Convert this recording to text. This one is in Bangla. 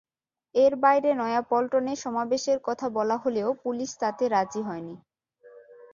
এর বাইরে নয়াপল্টনে সমাবেশের কথা বলা হলেও পুলিশ তাতে রাজি হয়নি।